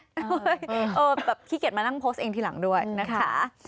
แบบขี้เกียจมานั่งโพสต์เองทีหลังด้วยนะคะ